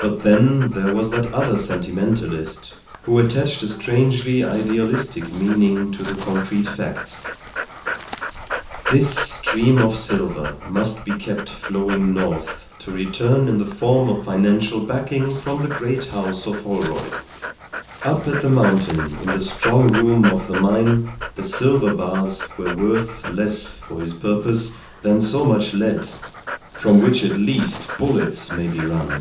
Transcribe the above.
But then there was that other sentimentalist, who attached a strangely idealistic meaning to concrete facts. This stream of silver must be kept flowing north to return in the form of financial backing from the great house of Holroyd. Up at the mountain in the strong room of the mine the silver bars were worth less for his purpose than so much lead, from which at least bullets may be run.